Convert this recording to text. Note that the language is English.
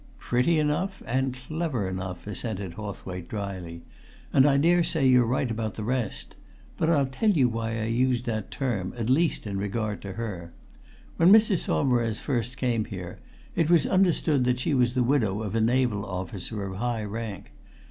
"Pretty enough and clever enough," assented Hawthwaite dryly. "And I dare say you're right about the rest. But I'll tell you why I used that term; at least, in regard to her. When Mrs. Saumarez first came here, it was understood that she was the widow of a naval officer of high rank.